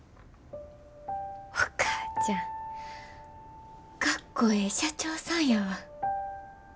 お母ちゃんかっこええ社長さんやわ。